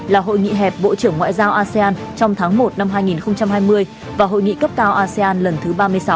là hội nghị hẹp bộ trưởng ngoại giao asean trong tháng một năm hai nghìn hai mươi và hội nghị cấp cao asean lần thứ ba mươi sáu